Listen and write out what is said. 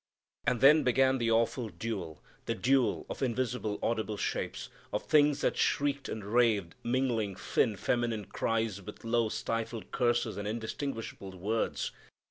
And then began the awful duel, the duel of invisible, audible shapes; of things that shrieked and raved, mingling thin, feminine cries with low, stifled curses and indistinguishable words.